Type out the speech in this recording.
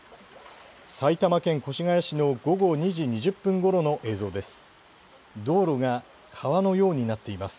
埼玉県越谷市の午後２時２０分ごろの映像です。